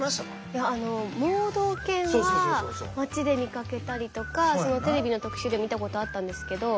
いや盲導犬は街で見かけたりとかテレビの特集で見たことあったんですけど